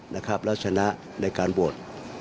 แล้วชนะในการโบสถ์